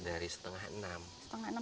dari setengah enam